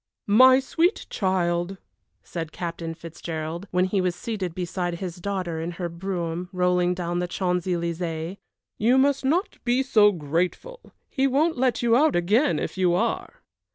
"My sweet child," said Captain Fitzgerald, when he was seated beside his daughter in her brougham, rolling down the Champs Elysées, "you must not be so grateful; he won't let you out again if you are."